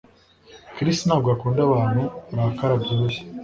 Chris ntabwo akunda abantu barakara byoroshye